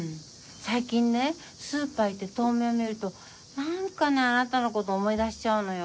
最近ねスーパー行って豆苗見ると何かねあなたのこと思い出しちゃうのよ。